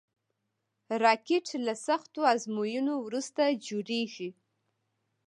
راکټ له سختو ازموینو وروسته جوړېږي